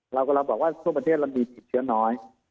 เรากำลังบอกว่าทั่วประเทศเรามีติดเชื้อน้อย